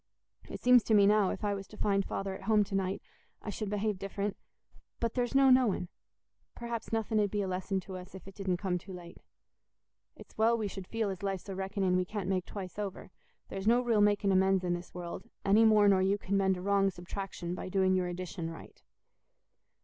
It seems to me now, if I was to find Father at home to night, I should behave different; but there's no knowing—perhaps nothing 'ud be a lesson to us if it didn't come too late. It's well we should feel as life's a reckoning we can't make twice over; there's no real making amends in this world, any more nor you can mend a wrong subtraction by doing your addition right."